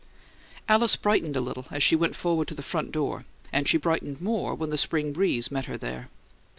Alice brightened a little as she went forward to the front door, and she brightened more when the spring breeze met her there.